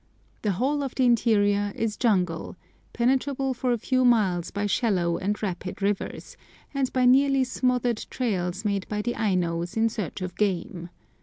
The whole of the interior is jungle penetrable for a few miles by shallow and rapid rivers, and by nearly smothered trails made by the Ainos in search of game.